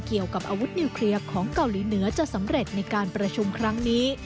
เกี่ยวกับอาวุธนิวเคลียร์ของเกาหลีเหนือจะสำเร็จในการประชุมครั้งนี้